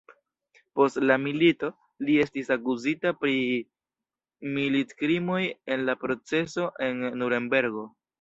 Post la milito li estis akuzita pri militkrimoj en la proceso en Nurenbergo.